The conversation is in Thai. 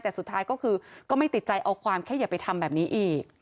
แต่สุดท้ายก็คือก็ไม่ติดใจเอาความแค่อย่าไปทำแบบนี้อีก